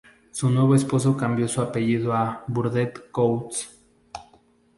Su nuevo esposo cambió su apellido a Burdett-Coutts.